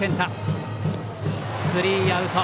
スリーアウト。